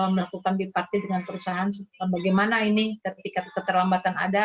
melakukan bipartit dengan perusahaan bagaimana ini ketika keterlambatan ada